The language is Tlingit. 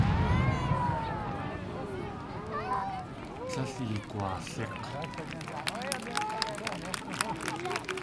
Líl eegwaalík̲!